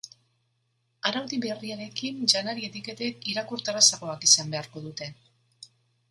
Araudi berriarekin, janari-etiketek irakurterrazagoak izan beharko dute.